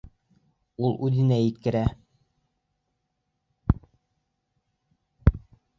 Ул үҙенә еткерә.